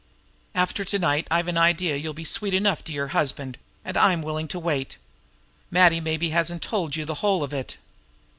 After to night I've an idea you'll be sweet enough to your husband, and I'm willing to wait. Matty maybe hasn't told you the whole of it."